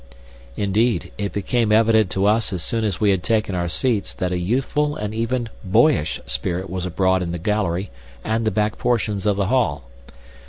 Indeed, it became evident to us as soon as we had taken our seats that a youthful and even boyish spirit was abroad in the gallery and the back portions of the hall.